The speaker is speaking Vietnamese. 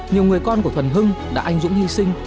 nhiều người con của thuần hưng đã anh dũng hy sinh